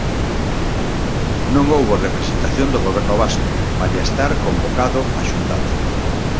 Non houbo representación do goberno vasco, malia estar convocado á xuntanza.